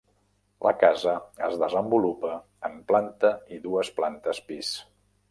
La casa es desenvolupa en planta i dues plantes pis.